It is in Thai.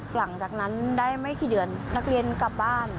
หลังจากนั้นได้ไม่กี่เดือนนักเรียนกลับบ้าน